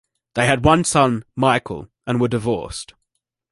They had one son, Michael, and were divorced.